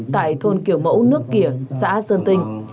tại thôn kiểu mẫu nước kìa xã sơn tinh